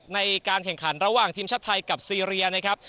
ในการแข่งขันระหว่างทีมชาติไทยกับซีเรียนะครับ